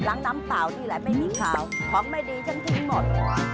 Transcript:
ล้างน้ำตาวนี่แหละไม่มีขาวของไม่ดีฉันทิ้งหมด